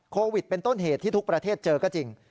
โควิดเป็นต้นเหตุที่ทุกประเทศเจอก็จริง